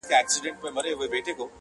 د دې قلا او د خانیو افسانې یادي وې،